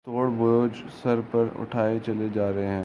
توڑ بوجھ سر پر اٹھائے چلے جا رہے ہیں